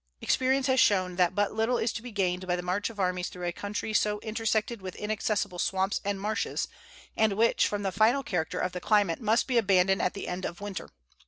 Experience has shown that but little is to be gained by the march of armies through a country so intersected with inaccessible swamps and marshes, and which, from the fatal character of the climate, must be abandoned at the end of the winter.